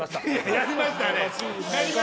やりましたね